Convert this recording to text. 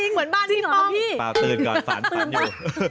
เหมือนบ้านนี้เหรอพี่จีบป้องป้าตื่นก่อนฝันอยู่